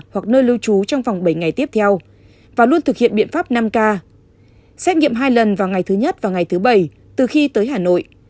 hoặc nơi lưu trú trong vòng bảy ngày tiếp theo và luôn thực hiện biện pháp năm k xét nghiệm hai lần vào ngày thứ nhất và ngày thứ bảy từ khi tới hà nội